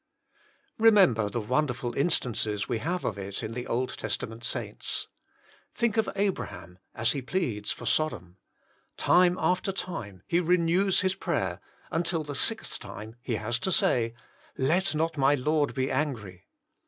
Eemember the wonderful instances we have of it in the Old Testament saints. Think of Abraham, as he pleads for Sodom. Time after time he renews his prayer until the sixth time he has to say, " Let not my Lord be angry."